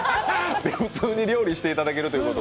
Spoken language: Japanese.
普通に料理していただけるということで。